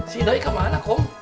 si doi kemana kom